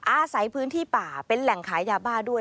อาศัยพื้นที่ป่าเป็นแหล่งขายยาบ้าด้วย